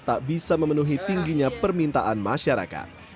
tak bisa memenuhi tingginya permintaan masyarakat